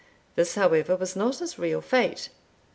This, however, was not his real fate.